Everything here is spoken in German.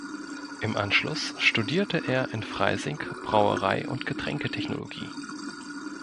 Im Anschluss studierte er in Freising Brauerei- und Getränketechnologie.